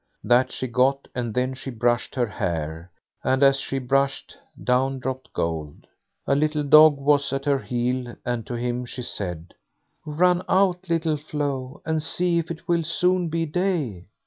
That she got, and then she brushed her hair, and as she brushed, down dropped gold, A little dog was at her heel, and to him she said: "Run out, Little Flo, and see if it will soon be day."